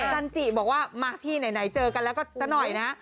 จันจิบอกว่ามาพี่ไหนเจอกันแล้วก็สักหน่อยนะ